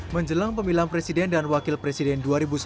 menjelang pemilihan presiden dan wakil presiden dua ribu sembilan belas